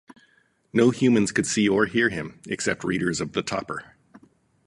No humans could see or hear him, except readers of The Topper.